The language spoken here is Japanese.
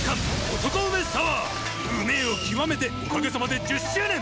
男梅サワー梅を極めておかげさまで１０周年。